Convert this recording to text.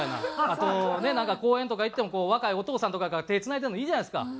あとね公園とか行っても若いお父さんとかが手つないでるのいいじゃないですか。